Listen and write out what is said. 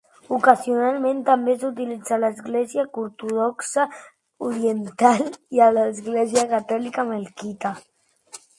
Ocasionalment també s'utilitza a l'església ortodoxa oriental i a l'església catòlica melquita.